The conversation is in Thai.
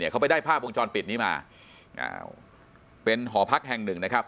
เขาไปได้ภาพวงจรปิดนี้มาเป็นหอพักแห่งหนึ่งนะครับ